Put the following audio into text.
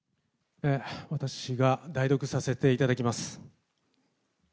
私が代読させていただきます。